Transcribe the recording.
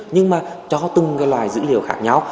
nhưng mà cho từng loài dữ liệu khác nhau